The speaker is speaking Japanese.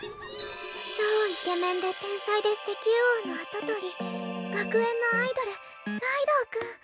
超イケメンで天才で石油王の跡取り学園のアイドルライドウ君。